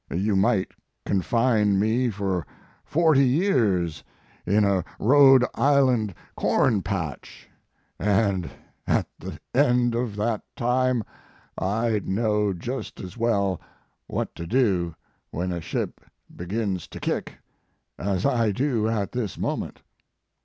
You might confine me for forty years in a Rhode Island corn JJO Mark Twain patch, and at the end of that time I d know just as well what to do when a ship begins to kick as I do at this moment.